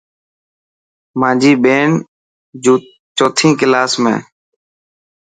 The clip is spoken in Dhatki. مانجي ٻين چوتي ڪلاس ۾.